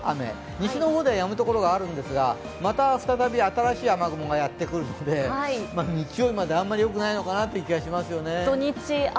西の方ではやむところがあるんですがまた再び新しい雨雲がやってくるので日曜日まであんまりよくないのかなという気がしますよね。